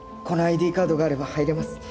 このＩＤカードがあれば入れます。